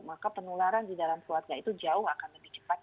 maka penularan di dalam keluarga itu jauh akan lebih cepat